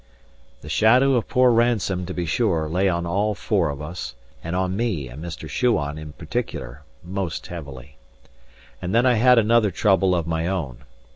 The shadow of poor Ransome, to be sure, lay on all four of us, and on me and Mr. Shuan in particular, most heavily. And then I had another trouble of my own.